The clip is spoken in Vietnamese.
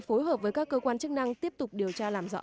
phối hợp với các cơ quan chức năng tiếp tục điều tra làm rõ